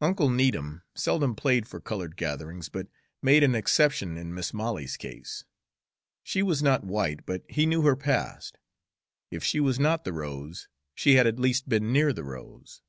Uncle Needham seldom played for colored gatherings, but made an exception in Mis' Molly's case; she was not white, but he knew her past; if she was not the rose, she had at least been near the rose.